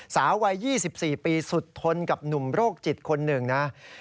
สาววัย๒๔ปีสุดทนกับหนุ่มโรคจิตคนหนึ่งนะ